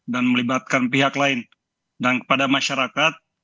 dan melibatkan pihak lain dan kepada masyarakat